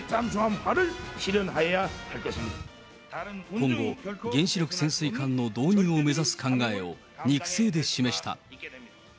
今後、原子力潜水艦の導入を目指す考えを肉声で示した。